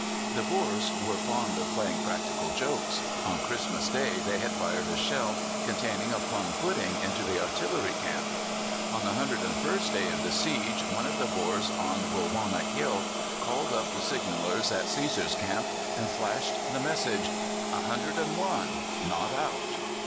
The Boers were fond of playing practical jokes. On Christmas Day they had fired a shell containing a plum pudding into the artillery camp. On the hundred and first day of the siege one of the Boers on Bulwana Hill called up the signallers at Cæsar's Camp, and flashed the message, "A hundred and one, not out."